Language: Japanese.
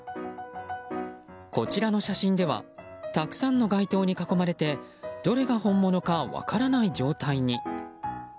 こちらの写真ではたくさんの街灯に囲まれてどれが本物か分からない状態に。